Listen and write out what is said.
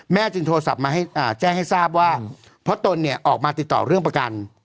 แม่จึงโทรศัพท์มาแจ้งให้ทราบว่าพ่อตนออกมาติดต่อเรื่องประกัน